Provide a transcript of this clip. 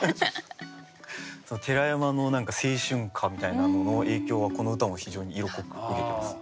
その寺山の何か青春歌みたいなのの影響はこの歌も非常に色濃く受けてます。